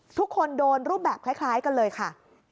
ทุกคนโดนรูปแบบคล้ายกันเลยค่ะ